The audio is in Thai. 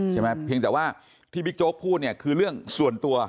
เพียงแต่ว่าที่บิ๊กโจ๊กพูดเนี่ยคือเรื่องส่วนตัว